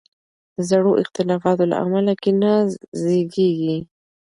د زړو اختلافاتو له امله کینه زیږیږي.